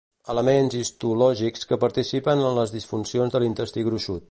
Elements histològics que participen en les disfuncions de l'intestí gruixut.